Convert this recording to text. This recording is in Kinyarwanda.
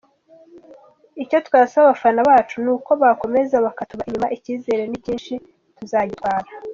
Icyo twasaba abafana bacu ni uko bakomeza bakatuba inyuma, icyizere ni cyinshi tuzagitwara”.